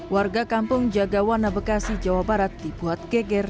warga kampung jagawana bekasi jawa barat dibuat geger